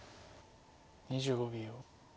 ２５秒。